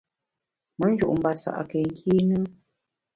Me nju’ ngbasa’ ke nkîne ?